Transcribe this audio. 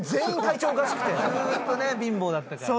ずっとね貧乏だったからね。